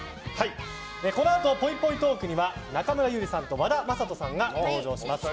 このあとぽいぽいトークには中村ゆりさんと和田正人さんが登場します。